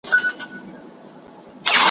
لکه له باد سره الوتې وړۍ ,